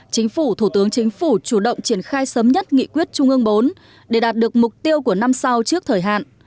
chính phủ thủ tướng chính phủ chủ động triển khai sớm nhất nghị quyết trung ương bốn để đạt được mục tiêu của năm sau trước thời hạn